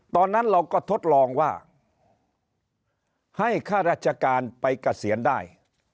ตอนนั้นเราก็ทดลองว่าให้ข้าราชการไปเกษียณได้